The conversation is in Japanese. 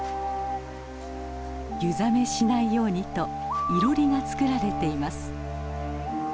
湯冷めしないようにといろりが作られています。